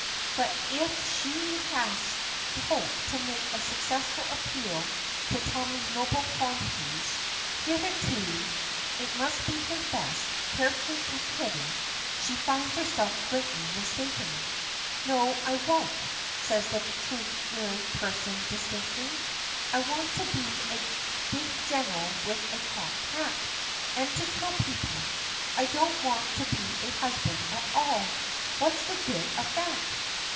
But if she has hoped to make a successful appeal to Tommy's noble qualities (hitherto, it must be confessed, carefully kept hidden), she finds herself greatly mistaken. "No, I won't," says that truculent person distinctly. "I want to be a big general with a cocked hat, and to kill people. I don't want to be a husband at all. What's the good of that?"